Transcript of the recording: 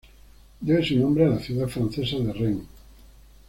Debe su nombre a la ciudad francesa de Rennes.